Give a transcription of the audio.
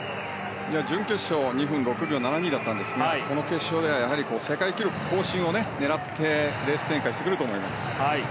準決勝は２分６秒７２だったんですがこの決勝では世界記録更新を狙ってレース展開をしてくると思います。